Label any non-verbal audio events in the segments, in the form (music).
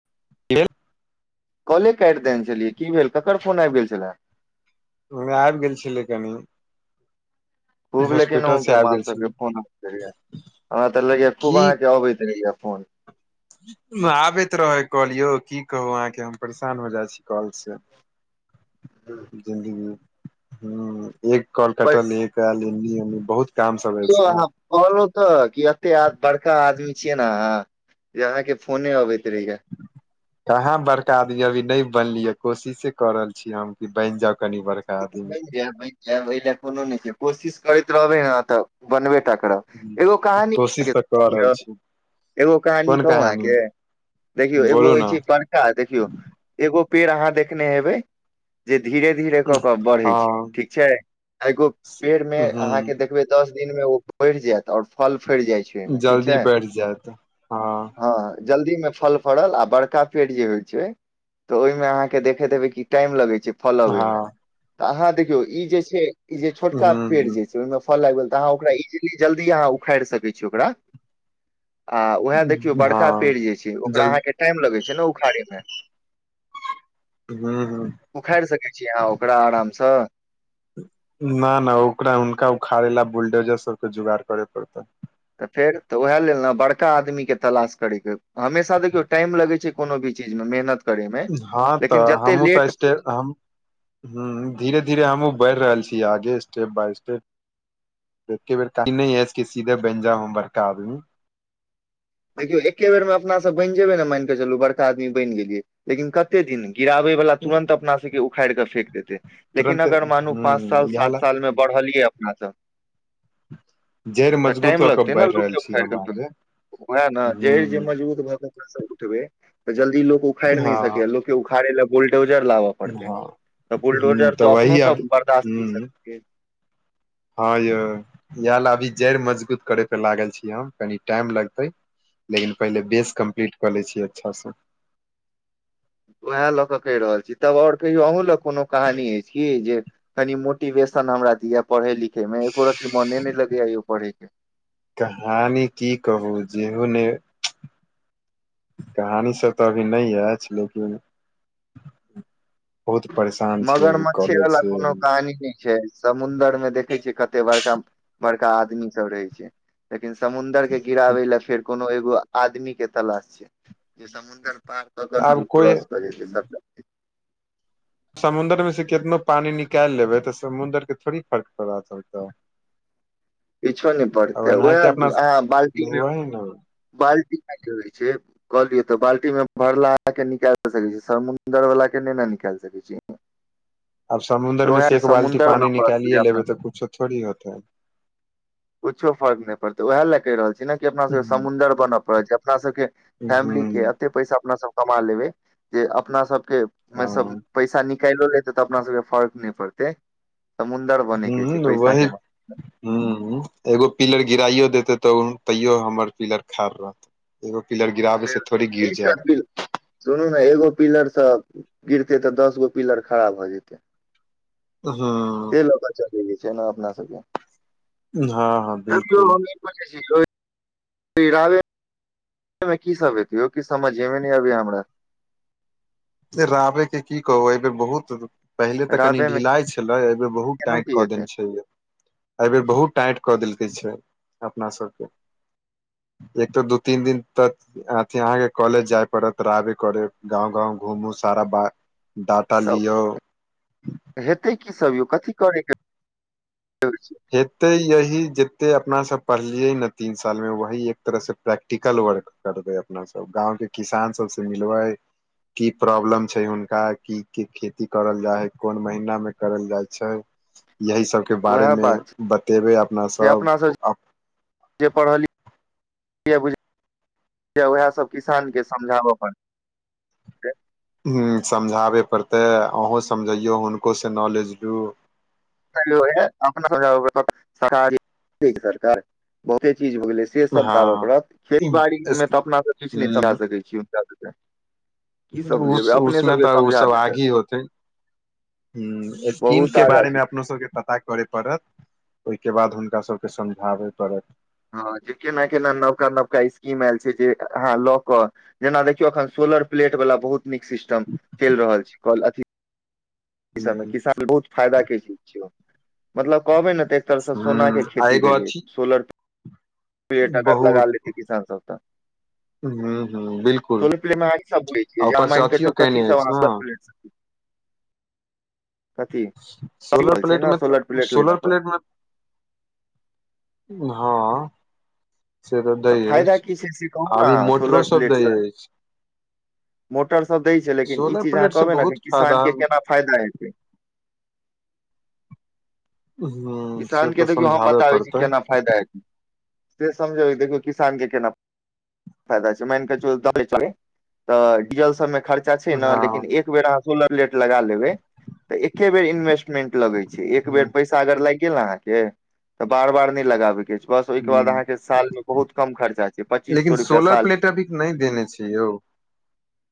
(inaudible) कॉले काइट देने छलियै की भेल ककर फोन आइब गेल छलए। ओयमे आइब गेल छलै कनी। खूब लेकिन से अहुँके आबि माल गेल सबके छलै फोन आबैत रहैये। हमरा त लगये खूब की अहाँके अबैत रहैये फोन। आबैत रहै काॅल यौ की कहू अहाँके हम परेशान हो जा छी कॉल स। हूँ। जिन्दगीमे, हँ एक कॉल पर कटलियए एक आयल अय नियम अय बहुत काम सब यौ अछि ने अहाँ कहलौं त कि अते आ बड़का आदमी छियै न अहाँ जे अहाँके फोने अबैत रहैया। कहाँ बड़का आदमी अभी नै बनलियै कोशिशे कऽ रहल छी हम कि बैन जाउ कनि बड़ बैन जैब बैन जैब एय लेए कोनो नै छैय कोशिश करैत रहबै न त बनबे टा करब। एगो कहानी कोशिश तऽ कऽ रहल (unintelligible) छी एगो कहानी कहूँ अहाँके। देखियौ एगो बोलू होइ ने छैय बड़ ड़का, देखियौ एगो पेड़ अहाँ देखने हेबै जे धीरे धीरे कऽ कऽ बढ़ै छैय हँ ठीक छैय आ एगो पेड़ मे ह अहाँके देखबै दस दिनमे ओ बैढ़ जैत और फल फैड़ जाय छैय। जल्दी बैढ़ जायत हँ। जल्दीमे फल फड़ल आ बड़का पेड़ जे होइ छैय त ओयमे अहाँके देखैत हेबै कि टाइम लगै छैय फल हँ अबैमे। त अहाँ देखियौ इ जे छैय इ जे छोटका पेड़ ह जे छैय ओयमे फल आइब गेल त अहाँ ओकरा इजिली जल्दी अहाँ उखाइड़ सकै छियै ओकरा आ उहे देखियौ बड़का पेड़ हँ जे छैय ओकरा जल अहाँके टाइम लगै छैय ने उखाड़ैमे। हूँ -हूँ। उखाइर सकै छियै अहाँ ओकरा आराम स। ना-ना ओकरा हुनका उखाड़े लेए बुल्डोजर सबके जोगाड़ करे पड़तऽ। त फेर त उहे लेल न बड़का आदमीके तलाश करयके हमेशा देखियौ टाइम लगै छैय कोनो भी चीज म मेहनत करे मे हँ त लेकिन जते हमु त लेट स्टे हम, हूँ धीरे-धीरे हमहुँ बैढ़ रहल छी आगे स्टेप बाय स्टेप। एके बेर (unintelligible) कि सीधे बैन जाउ हम बड़का आदमी। देखियौ एके बेरमे अपना सब बैन जेबै ने माइन के चलू बड़का आदमी बैन गेलियै लेकिन कते दिन। गिराबे बला तुरंत अपना सबके उखैड़ कै फेक देतै। लेकिन तुरन्ते हूँ अगर मानू पाँच साल, हूँ इएह ला सात साल मे बढ़लियै अपना सब जड़ि तऽ मजगूत टाइम कऽ कऽ लगतै नै बढ़ि लोक रहल के छी उखैर हम कै फेकय में। आगे वैह नै जैड़ जे हूँ मजबूत भऽ कऽ अपना सब उठबै तऽ जल्दी लोक उखैड़ नै सकय हँ यै लोक के उखाड़े लै बुल्डोजर लाबऽ पड़ते हँ तऽ हूँ बुलडोजर तऽ त वही अपनो अब सब बर्दाश्त कैर सक के हां यौ इहै लै अभी जैड़ मजगूत करे पे लागल छी हम कनि टाइम लगते। लेकिन पहिले बेस कम्प्लीट कऽ लै छीयै अच्छा से। वहै लऽ कऽ कह रहल छी तब और कहियौ अहूँ लग कोनो कहानी ऐछ की जे कनि मोटिवेशन हमरा दिए पढ़य लिखय मे एको रती मोने नै लगय यै यौ पढ़य के। कहानी की कहू जेहो नय कहानी सब तऽ अभी नै ऐछ लेकिन बहुत परेशान छी अभी मगरमच्छे कॉलेज वाला से कोनो कहानी नहि छै समुंदर में देखय छियै कते बड़का-बड़का आदमी सब रहै छै। लेकिन समुंदर के गिराबै लै फेर कोनो एगो आदमी के तलाश छै जे समुंदर पार कऽ कऽ नऽ आब उ कोइ क्रॉस कऽ जेतय सबटा। समुंदर में से केतनो पानी निकाएल लेबै तऽ समुंदर के थोड़ी फर्क पता चलतै। किछो नै पड़तै वैह एनाहिते अपना अहाँ बाल्टी मे (unintelligible) बाल्टी में (unintelligible) छै। कहलियो तऽ बाल्टी में भरलाहा के निकैल सकय छी, समुंदर बला के नै नऽ निकाएल सकय छी। आब तऽ समुंदर मे से उएह एक बाल्टी समुंदर बनऽ पानी पड़त निकालिए अपना लेबै तै कुछो थोड़ी हेतै। कुछो फर्क नै पड़तै वैह लै कह रहल छी नै कि अपना ह सके ह समुंदर बना पड़य छै, अपना सबके फैमिली के एत्ते पैसा अपना सब कमा लेबै जे अपना सबके मे सब हँ पैसा निकाएलो लेतै तऽ अपना सबके फर्क नै पड़तै समुन्दर बनय के छै पैसा के माम हुं एगो पिलर गिराइयो देतय तऽ तैयो हमर पिलर खाड़ रहतै। एगो पिलर खारे गिराबे से थोड़ी गिर एकटा जाएब। पिलर सुनू नै एगो पिलर से गिरते तऽ दसगो पिलर खड़ा भ जेतय। हां। ल कै चलय के छै नै अपना सबके हां-हां बिल्कुल (unintelligible) गीराबै एमे की सब हेतय यौ कीछ समझे मे नै आबय मैं हमरा। फेर आबय के की कहू ए बेर बहुत पहिले तऽ कनि रावेमे ढिलाइ छलै ए बेर बहुत केना टाइट की कऽ हेतै देने छै यै। ए बेर बहुत टाइट कऽ देलकै छै अपना सबके एक तै दू-तीन दिन तक अथी अहाँ के कॉलेज जाय परत रहबे करे गांव-गांव घुमु सारा बा डाटा तऽ लियो। हेतै की सब यौ, कथी करय के रहय छै। हेतय यही जते अपना सब पढ़लियै नै तीन साल मे वही एक तरह से प्रैक्टिकल वर्क। करबै अपना सब गाँव के किसान सब से मिलबै। की प्रॉब्लम छै हुनका की-की खेती करल जाय हय, कोन महीना मे करल जाए छै। यही सबके उएह बारेमे बात छै बतेबै अपना सब अ उ जे पढ़लिय जे बुझ किये उएह सब किसान के समझाबे पड़तै। हूॅं, समझाबय पड़तै अहूँ समझैयौ हुनकोसे नॉलेज लू स सरकार बहुते चीज हो गेलै। (unintelligible) से सब तऽ आबय हँ पड़त खेती बाड़ी मे तऽ अपनासे किछ नै चढ़ा सकै छी हुनका सबके की उस समझेबै अपने उसमे सबके तऽ ओ समझा सब देतै आगहि होते। ह स्कीम बहुत के आगाँ बारे छी मे अपना सबके पता करय पड़त ओहिके बाद हुनका सबके समझाबे पड़त। हां, जे केना-केना नवका-नवका स्कीम आयल छैय, जे अहाँ लऽ कऽ जेना देखियौ अखन सोलर प्लेट बला बहुत नीक सिस्टम चलि रहल छैय, कल अथी ई सबमे ह किसान बहुत फायदा के चीज छियौ, मतलब कहबे नै त अधिकतर से सोना के ह आ खेती एगो भेलै, अथी सोलर प्लेट अगर लगा बहुत लेतै, किसान सब त ह ह बिलकुल प्लेट मे सब होइ आ छैय, जे ऊपर से मानिके अथियो केने कथीह अछि ने सोलर रहल छै ने प्लेटमे तऽ प्लेट सोलर लेला पर प्लेटमे हां तऽ फायदा की छैय से कहूं नेय अभी अहाँ सोलर मोटरो सब दै प्लेटसे अछि मोटरसब दैय छैय, लेकिन ई सोलर चीज अहाँ प्लेट से कहबै नेय कि बहुत किसान फायदा के केना फायदा हेतै। हूं किसान के देखियौ हम बताबै छी, केना फायदा हेतै से समझबै देखियौ किसान के केना फायदा छैय तऽ डीजल सब मे खर्चा छैय हँ ने लेकिन एक बेर अहाँ सोलर प्लेट लगा लेबे ते एके बेर इन्वेस्टमेंट लगैय छै एक बेर ह पैसा लाईग गेल, अहाँ के तऽ बार-बार नैय लगाबै के छै। बस ओहिके बाद ह अहाँके साल मे बहुत कम खर्चा छैय पच्चीस लेकिन सौ सोलर साल प्लेट में अभी नहि देने छै यौ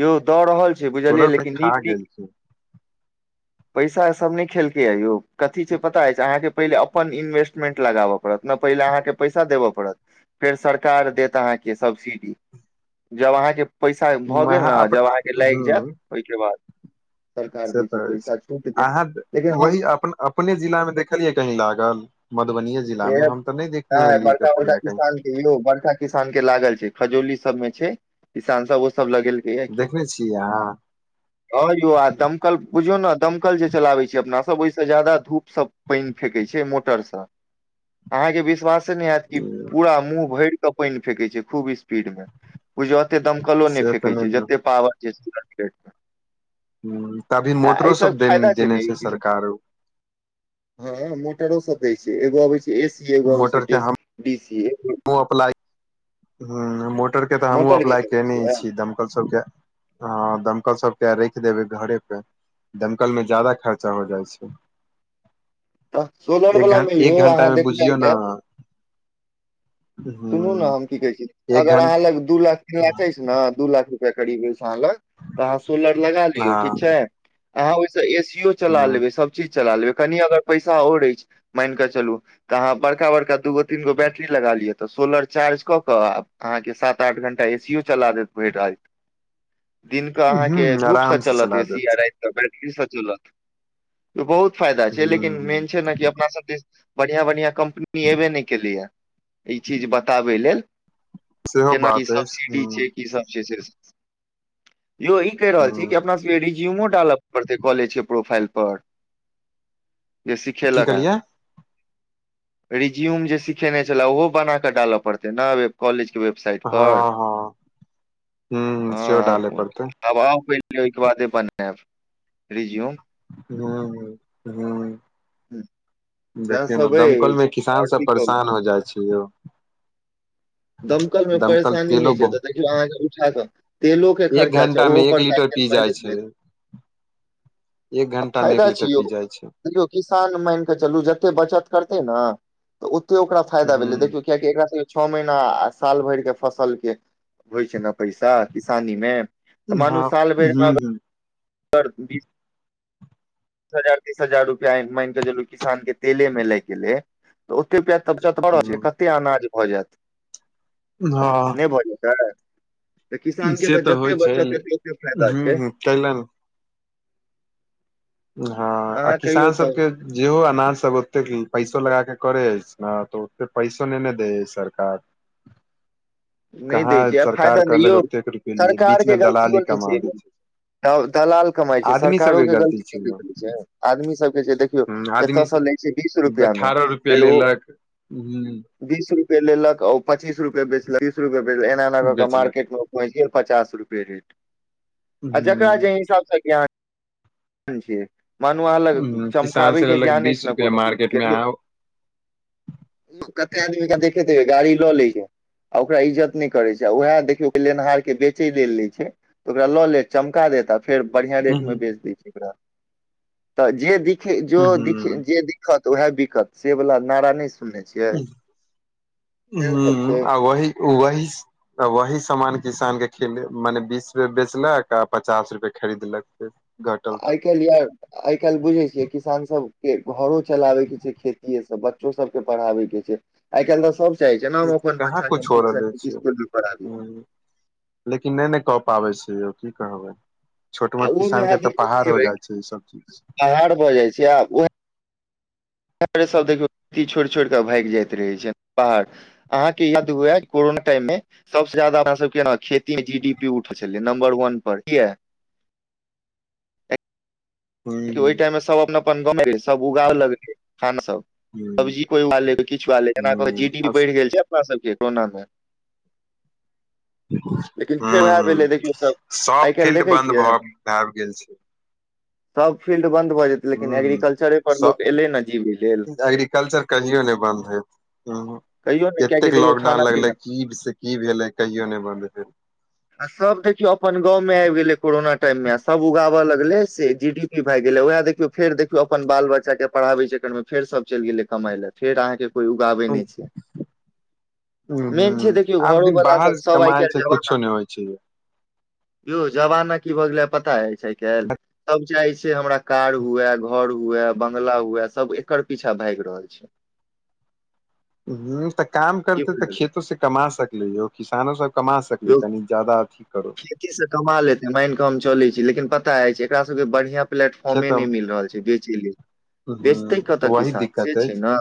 यौ दऽ रहल छैय, सोलर बुझलियै प्लेट लेकिन खा गेल नीक-नीक छै पैसा सब नैय खेलकै य यौ कथी छैय पता अछि अहाँके पहिले अपन इन्वेस्टमेंट लगाबऽ पड़त नेय पहिले अहाँके पैसा देबेऽ पड़त। फेर सरकार देत अहाँके सब्सिडी जब अहाँके पैसा भऽ गेल मह ने जब अहाँके लागि ह जायत ओइ के बाद सरकार से दैय छै तऽ अछि पैसा छूट दे अहाँ लेकिन हम वही अपन अपने जिला में देखलियै कही लागल मधुबनिये जिला में हम ते नैय देखलिये रहलियै बड़का बड़का कपुरिया कही। किसान यौ बड़का किसान के लागल छै, खजौली सब में छै, किसान सब ओ सब लगेल किया की देखने छियै अहाँ ओर यौ आ दमकल बुझियौ ने दमकल जे चलाबै छियै अपना सब ओहिसे ज्यादा धूप सब पैइन फेेकै छै, मोटर से अहाँ के विश्वासे नैय हैत की पूरा मुँह भरि तब पइन फेेकै छै, खूब स्पीड मे बुझियौ अते दमकलो नेय से तऽ फेेकै छै, नहि जते पावर छैय। तभी आ मोटरो अई से सब देन फायदा छैय, देने ने छै सब सरकार हां मोटरो से बेबी एगो आबै छैय, ए सी एगो आबै छै, डे सी बी सी ओ अप्लाई हूॅं मोटर के तऽ हमहुँ मोटर के अप्लाई केने छियै छी दम दमकल सबके, हां दमकल सबके रैख देबै घरे पे दमकल में ज्यादा खर्चा होय जाइ छै। तऽ सोलर एक वला घं मे यो एक घंटा अहाँ मे बुझियौ ने देखनाइके सुनू नऽ ह हम की कहै छी, एक अगर घं अहाँ लग दू लाख तीन लाख अछि, न दू लाख हुए करीब अछि, अहाँ लग तऽ अहाँ सोलर लगा लियौ ठीक हँ छैय, अहाँ ओइ सऽ ए सी यो। चला ह लेबै सब चीज चला लेबै कनी अगर पैसा और अइछ मैनकऽ चलू। तऽ आहाँ बड़का बड़का दूगो तीन गो बैटरी लगा लियअ तऽ सोलर चार्ज कऽ कऽ आ। आहाँके सात आठ घंण्टा ए सी यो चला देत भैर रैत। दिन कऽ आहाँ के हूं धूप सऽ आराम से चलत चला ए सी देत आ रैत। बैटरीसँ चलत बहुत फायदा छै हूं लेकिन हूं मेन छै न कि अपना सब दिस। बढ़िया- बढ़िया कम्पनी एबेै ने केलैया ई चीज बताबेै लेल। सेहो केना की बात अछि सब्सिडी हूं छै की सब छै से सब। यौ ई कैह रहल छी कि हूं अपना सबके रिज्यूमो डालऽ परतै कॉलेज के प्रोफाइल पर? जे की सिखेलक ए। कहलियै रिज्यूम जे सिखेने छेल्ला ओहो बना कऽ डालऽ पड़तै न एब। कॉलेज के वेबसाइट पर हँ हँ हूं हँ सेहो डाले आब। पड़तै आब आउ पहिले ओयके बादे बनेएब रिज्यूम। हूँ, हूँ। सएह देखियौ ने सब दमकल मे अछि किसान आओर सब की कहू परेशान हो जाय छै यौ। दमकल मे दमकल परेशानी तेलो नै छै तऽ बहु देखियौ आहाँके उठा कऽ। तेलो के एक खर्चा छै घंटा ओहो मे एक पर लीटर सायकल पी जाइ (unintelligible) छै। एक घंटा मे एक लीटर यौ पी जाय छै। देखियौ किसान मैनकऽ चलू जते बचत करतेै न तऽ ओते ओकरा फायदा भेलै हूं देखियौ। कियाकि एकरा सब के छअ महीना आ साल भैर के फसल के- होय छै ने पैसा किसानी मे तऽ मानू हँ साल भैर हूं मे हूं अगर बीस- बीस हजार तीस हजार रुपआ मैन कऽ चलू किसान के तेले मे लाइग गेलै। तऽ ओते रूपया तऽ बचत भऽ रहल छै हूं कते अनाज भऽ जेएत। हँ। भऽ जेतै। तऽ किसान के से तऽ जते होइ छै बचत हेतै ओते फैदा हूं छै। हूं कैले हँ आ अहाँ कहियौ किसान तब सबके- जेहो अनाज सब ओतेक पैसो लगाके करै अइछ नऽ तऽ ओते पैसो नै ने दै हैय सरकार। नैय दै कहाँ छै आब सरकार फायदा नै कहलक यौ ओतेक रुपे लिए बीच सरकार मे के दलाली गलतियो नै कमा छै एय दै मे। दल-दलाल कमाई छै आदमी सरकारो सबके के गलती नै यौ ने छै आदमी सब के जे देख- देखियौ ह एतऽ आदमी सँ लै छै बीस सब रुपआ मे अठारह रुपए फेर ओ- लेलक ह बीस रुपये लेलक ओ पच्चीस रुपये बेचलक तीस रुपये बेच एना-एना कऽ के बेचलक मार्केट मे ओ- पहूँच गेल पचास रूपये रेट आ जेकरा जै ह हिसाब सऽ ज्ञान- (unintelligible) मानू आहाँ लग किसान चमकाबै से के लेलक ज्ञान अइछ बीस नऽ रुपआ कोनो चीज मार्केट के मे आ देखियौ। ओ कते आदमी के देखैत हेबै गाड़ी लऽ लै छै। आ ओकरा इज्जत नै कर छै आ उएह देखियौ लेनिहार के बेचे लेल लय छै। तऽ ओकरा लऽ लेत चमका देत आ। फेर बढ़िया रेट मे बेच दै छै ओकरा तऽ जे दिखे जो दिखे ह जे दिख- दिखत उएह बिकत से वला नारा नै सु- सब हूँ छै आ वहि वही स- तऽ वहीं सामान किसान के खेल माने बीस रुपए बेचलक आ पचास रुपए खरीदलक। कटल तऽ। केलियै? आय कैल्ह बुझै छियै किसान सबके घरो चलाबै के छै खेतीए सँ बच्चो सबके पढ़ाबै के छै। आय कैल्ह तऽ सब चाहै छै ने तऽ हम अपन कहाँ बच्चा के कुछ हो नीकसँ रहले नीक छै इसकुल में पढ़ाबी। हूँ, लेकिन नै नऽ कऽ पाबै छै यौ की कहबै। छोट आ मोट ओहिमे किसान के तऽ पहाड़ हो जाइ छैय ई सब चीज। पहाड़ भऽ जाइ छैय आब। सभ देखियौ खेती छोड़ि छोड़ि कऽ भागि जाइत रहैत छैय बाहर। अहाँके याद हुएै कोरोना टाइम में सबसे ज्यादा हमर सबके ने खेती मे जी डी पी उठैत छलै नम्बर वन पर किये? ह ओहि टाइम मे सब अपन अपन गाँव में बेस सब उगाव लगले खाना सब सब्जी कियो उगा लै किछु उगा लै ऐना जी डी ह पी बढ़ि गेल छैय। अपना सबके कोरोनामे लेकिन ह फेर उएह ह भेलै देखियौ सब आइ काल्हि देखै छियै। आब गेल छैय। सब फील्ड बन्द भोऽ जेतै। लेकिन हूं हूं एग्रीकल्चरे पर सब लोक एलै ने जीवै लेल एग्रीकल्चर कहियो नहि बन्द हेत हूं। कहियो ने कियाकि एतेक देखियौ लॉकडाउन खाना लगले पीना की से की भेलै कहियो नहि बन्द भेल। आ सब देखियो अपन गाँंव में आबि गेले कोरोना टाइम में सब उगाबऽ लगले से जी डी पी भाइग गेलै वएह देखियौ फेर देखियौ अपन बाल बच्चाक के पढ़ाबै चकरमे फेर सब चलि गेलै कमाइ लए फेर अहाँके कोइ उगाबै भेल नहि छैय। ह मेन छैय देखियौ ह आब दिन घरोवला सब बाहर सब आइ कमाइ काल्हि छै कुछो जमाना नहि होइ छै यौ जमाना की भऽ गेलै पता अछी आइ काल्हि सब चाहै छैय हमरा कार हुए, घर हुए, बंगला हुए सब एकर पीछा भागि रहल छैय। हूं तऽ काम की करते तऽ बुझलियै खेतो से कमा सकलै यौ किसानो सब कमा सकलै कनि जादा अथी करू। खेतीसँ कमा लेतै मानि कऽ हम चलैत छी लेकिन पता अइछ एकरा सभके बढ़िआँ प्लेटफॉर्मे नहि खेतम मिल रहल छैय बेचै ले। हूं, बेचतै कतऽ वही किसान सेे दिक्कत छैय अछि न।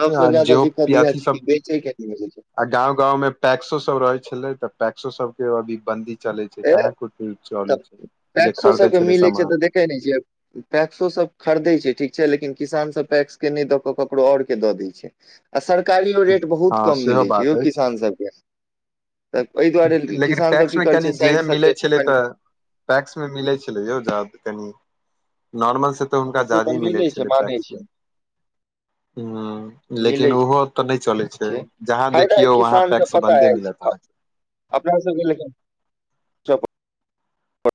सबसे आ ज्यादा जेहो दिक्कत इएह अथी छैय कि सब बेचै के नहि मिले छैय। आ गांव गांव में पैक्सो सब रहे छले तऽ पैक्सो सब के अभी बन्दी चले छैय ए कहाँ कुछ तऽ चले छैय जे खरीदे छले सामान के नहि छैब। पैक्सो सब खरीदे छै ठीक छै लेकिन किसान सब पैक्स के नहि द के ककरो और के द दय छै। छै आ सरकारियो रेट बहुत हँ कम सेहो मिलै छै बात यौ अछि किसानसभके। तऽ एहि दुआरे लेकिन किसानसभ पैक्स की मे करै छै कनि जे साइड सँ मिलै खेत छलै कनि। तऽ पैक्स में मिलै छलै यो ज्यादा कनि नॉर्मल से तऽ हँ हुनका से तऽ जादे मिलै मिले छैय मानै छी। हूं लेकिन ओहो तऽ नहि चलै छैय छै जहाँ फायदा देखियौ वहाँ किसान सब पैक्स पता बन्दे अछि मिलत अहाँके। अपना सब के लेकिन